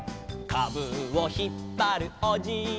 「かぶをひっぱるおじいさん」